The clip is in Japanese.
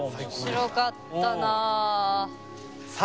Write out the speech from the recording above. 面白かったな。